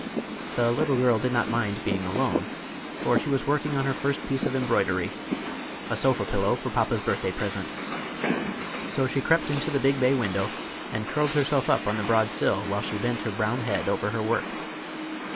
The little girl did not mind being alone, for she was working on her first piece of embroidery—a sofa pillow for papa's birthday present. So she crept into the big bay window and curled herself up on the broad sill while she bent her brown head over her work.